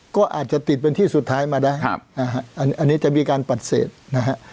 ก็อาจจะติดเป็นที่สุดท้ายมาได้อันนี้จะมีการปฏิเสธนะฮะ